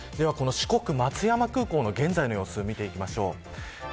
四国、松山空港の現在の様子見ていきましょう。